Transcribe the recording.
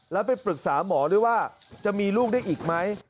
แล้วไปปรึกษาหมอด้วยว่าจะมีลูกได้อีกไหม